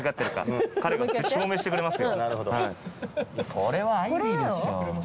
これはアイビーでしょ。